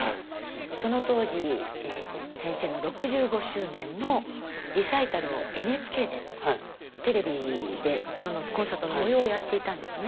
その当時先生の６５周年のリサイタルをＮＨＫでテレビでそのコンサートの模様をやっていたんですね。